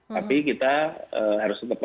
tapi kita harus tetap